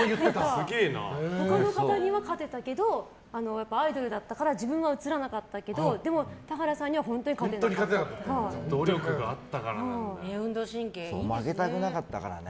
他の方には勝てたけどアイドルだったから自分は映らなかったけどでも、田原さんには運動神経いいんですね。